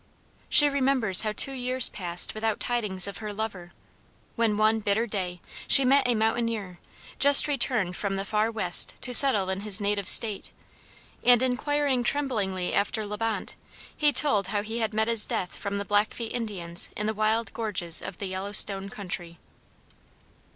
She remembers how two years passed without tidings of her lover, when, one bitter day, she met a mountaineer, just returned from the far West to settle in his native State; and, inquiring tremblingly after La Bonte, he told how he had met his death from the Blackfeet Indians in the wild gorges of the Yellowstone country.